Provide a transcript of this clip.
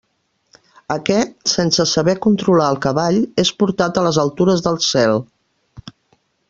Aquest, sense saber controlar al cavall, és portat a les altures del cel.